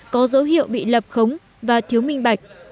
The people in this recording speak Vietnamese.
có dấu hiệu bị lập khống và thiếu minh bạch